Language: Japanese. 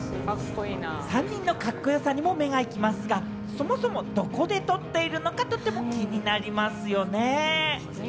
３人のカッコよさにも目が行きますが、そもそも、どこで撮っているのか気になりますよね。